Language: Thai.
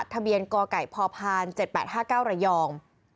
ทะเบียนกไก่พพ๗๘๕๙ระยอง